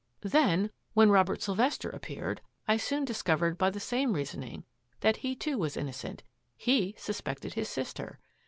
Then, when Robert Sylvester ap peared, I soon discovered by the same reasoning that he too was innocent — he suspected his sis ter.